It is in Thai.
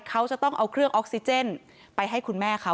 เขาจะต้องเอาเครื่องออกซิเจนไปให้คุณแม่เขา